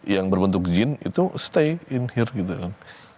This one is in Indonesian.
yang berbentuk jin itu stay in heart gitu kan